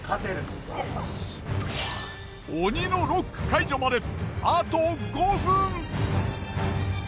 鬼のロック解除まであと５分。